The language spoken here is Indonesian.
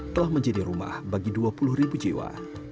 telah menjadi rumah bagi dua puluh ribu jiwa